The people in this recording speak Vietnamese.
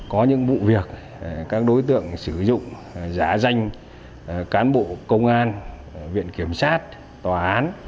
có những vụ việc các đối tượng sử dụng giá danh cán bộ công an viện kiểm sát tòa án